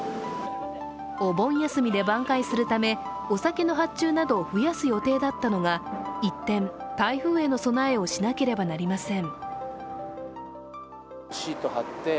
お盆休みで挽回するため、お酒の発注などを増やす予定だったのが一転、台風への備えをしなければなりません。